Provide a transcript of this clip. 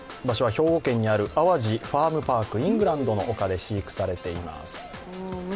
場所は兵庫県にある淡路ファームパーク・イングランドの丘で飼育されています。